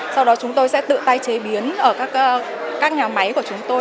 sau đó chúng tôi sẽ tự tay chế biến ở các nhà máy của chúng tôi